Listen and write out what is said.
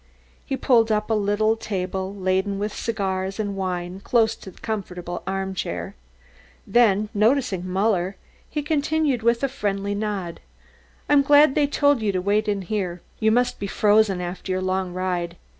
He pulled up a little table laden with cigars and wine, close to a comfortable armchair. Then, noticing Muller, he continued with a friendly nod: "I'm glad they told you to wait in here. You must be frozen after your long ride.